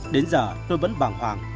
đến giờ tôi vẫn bàng hoảng